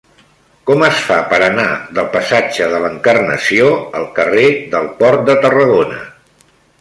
Com es fa per anar del passatge de l'Encarnació al carrer del Port de Tarragona?